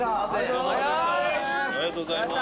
「ありがとうございます」